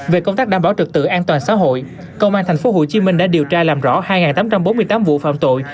về công tác đảm bảo trực tự an toàn xã hội công an tp hcm đã điều tra làm rõ hai tám trăm bốn mươi tám vụ phạm tội